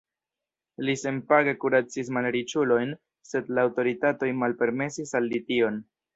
Li senpage kuracis malriĉulojn, sed la aŭtoritatoj malpermesis al li tion.